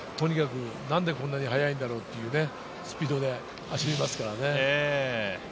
なんでこんなに速いんだろうというスピードで走りますからね。